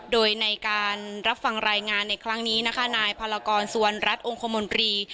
โดยในการรับฟังรายงานในครั้งนี้นะคะนายพารากรสุวรรณรัฐองคมนตรี